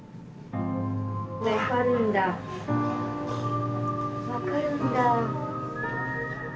分かるんだ分かるんだ。